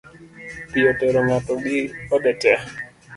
Pi otero ng’ato gi ode tee